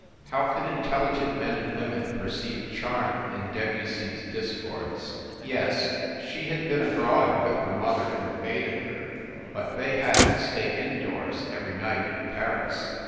How could intelligent men and women perceive charm in Debussy s discords? Yes, she had been abroad with her mother and Baedeker but they had to stay indoors every night in Paris.